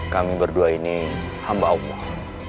kami berdua ini hamba allah